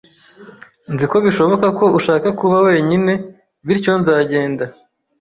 Nzi ko bishoboka ko ushaka kuba wenyine, bityo nzagenda